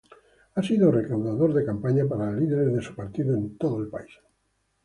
Ha sido recaudador de campaña para líderes de su partido en todo su país.